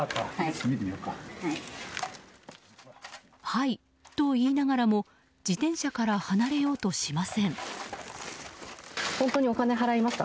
はいと言いながらも自転車から離れようとしません。